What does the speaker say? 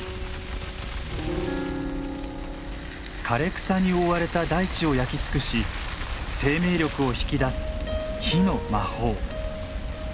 枯れ草に覆われた大地を焼き尽くし生命力を引き出す火の魔法。